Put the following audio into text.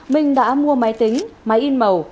mình đã mua máy tính máy in màu